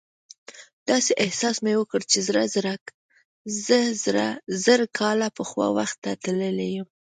داسې احساس مې وکړ چې زه زر کاله پخوا وخت ته تللی یم.